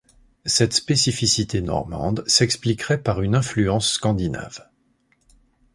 Cette spécificité normande s'expliquerait par une influence scandinave.